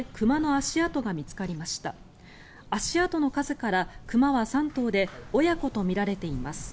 足跡の数から熊は３頭で親子とみられています。